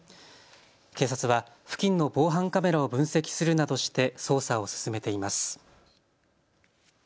警察は付近の防犯カメラを分析するなどして捜査を進めています。